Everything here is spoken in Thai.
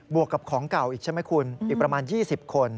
วกกับของเก่าอีกใช่ไหมคุณอีกประมาณ๒๐คน